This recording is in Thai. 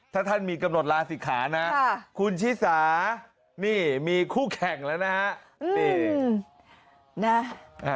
ถ้าท่านมีกำหนดลาศิกขานะคุณชิสานี่มีคู่แข่งแล้วนะฮะ